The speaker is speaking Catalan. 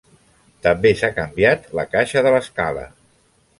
També s'ha canviat la caixa de l'escala.